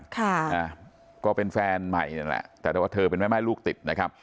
ค่ะอ่าก็เป็นแฟนใหม่นั่นแหละแต่ว่าเธอเป็นแม่ม่ายลูกติดนะครับ